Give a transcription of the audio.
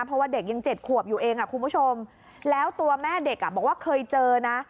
เพราะว่าเด็กยังเจ็ดขวบอยู่เองคุณผู้ชมแล้วตัวแม่เด็กอ่ะบอกว่าเคยเจอนะ